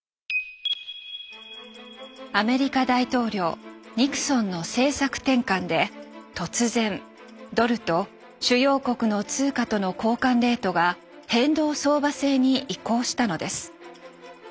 アメリカ大統領ニクソンの政策転換で突然ドルと主要国の通貨との交換レートが変動相場制に移行したのです。